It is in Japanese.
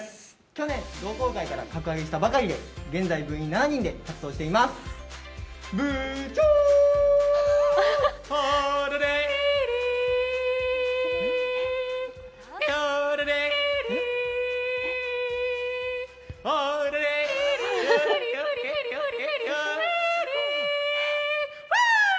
去年同好会から格上げしたばかりです、現在７人で活動しています。ホーレレイリー。